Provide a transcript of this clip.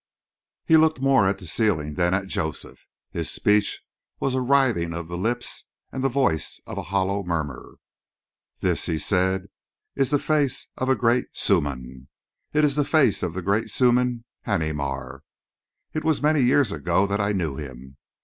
He looked more at the ceiling than at Joseph. His speech was a writhing of the lips and the voice a hollow murmur. "This," he said, "is the face of a great suhman. It is the face of the great suhman, Haneemar. It was many years ago that I knew him.